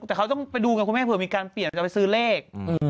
แต่เขาต้องไปดูกันเพื่อมีการเปลี่ยนไปซื้อเลข